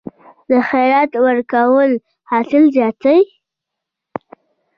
د خیرات ورکول حاصل زیاتوي؟